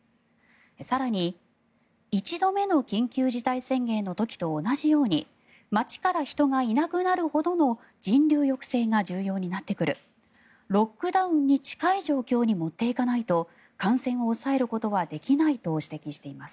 更に、一度目の緊急事態宣言の時と同じように街から人がいなくなるほどの人流抑制が重要になってくるロックダウンに近い状況に持っていかないと感染を抑えることはできないと指摘しています。